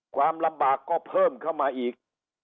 ความลำบากก็เพิ่มเข้ามาอีก